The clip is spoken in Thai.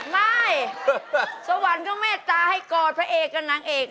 ไม่สวรรค์ก็เมตตาให้กอดพระเอกกับนางเอก